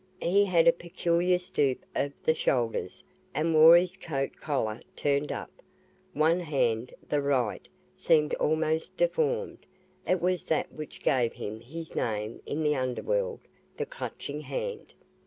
He had a peculiar stoop of the shoulders and wore his coat collar turned up. One hand, the right, seemed almost deformed. It was that which gave him his name in the underworld the Clutching Hand.